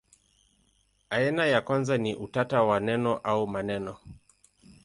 Aina ya kwanza ni utata wa neno au maneno.